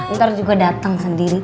ntar juga dateng sendiri